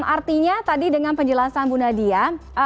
artinya tadi dengan penjelasan bu nadia